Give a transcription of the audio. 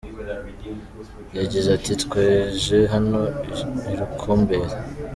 Yagize ati “Twaje hano i Rukumberi, tuzi neza ko amateka y’ibyahabaye atari yoroshye.